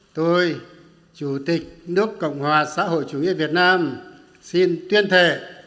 tôi chủ tịch nước cộng hòa xã hội chủ nghĩa việt nam xin tuyên thệ